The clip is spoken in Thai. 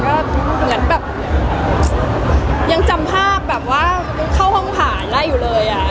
ก็โตขึ้นทุกวันค่ะก็เหมือนแบบยังจำภาพแบบว่าเข้าห้องผ่านได้อยู่เลยอะ